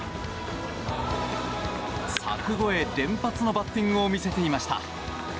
柵越え連発のバッティングを見せていました。